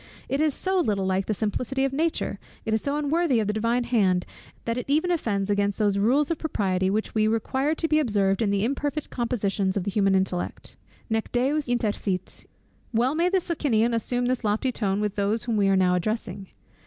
It is so little like the simplicity of nature, it is so unworthy of the divine hand, that it even offends against those rules of propriety which we require to be observed in the imperfect compositions of the human intellect." Well may the Socinian assume this lofty tone, with those whom we are now addressing.